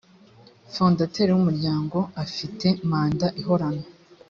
fondateri w umuryango afite manda ihorano